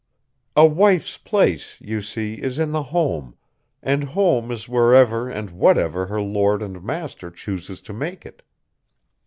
A wife's place, you see, is in the home, and home is wherever and whatever her lord and master chooses to make it.